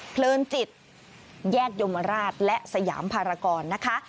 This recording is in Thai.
เพลินจิตแยกยมราชและสยามภารกรนะคะ